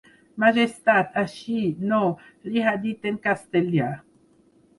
Majestat, així, no, li ha dit en castellà.